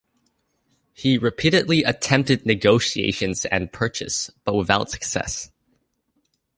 He repeatedly attempted negotiations and purchase, but without success.